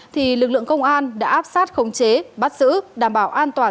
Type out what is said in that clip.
thì lực lượng công an đã áp sát khống chế bắt giữ đảm bảo an toàn